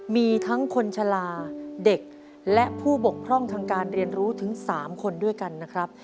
มีทั้งคนชะลาเด็กและผู้บกพร่องทางการเรียนรู้ถึง๓คนด้วยกันนะครับ